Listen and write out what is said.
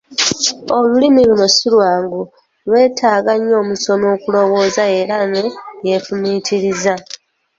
Olulimi luno si lwangu, lwetaaga nnyo omusomi okulowooza era ne yeefumiitiriza.